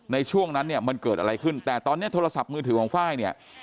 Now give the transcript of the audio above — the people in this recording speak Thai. ในช่วงนั้นเนี่ยมันเกิดอะไรขึ้นแต่ตอนนี้โทรศัพท์มือถือของไฟล์เนี่ย